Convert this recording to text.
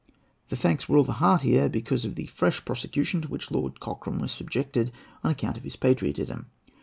The thanks were all the heartier because of the fresh persecution to which Lord Cochrane was subjected on account of his patriotism.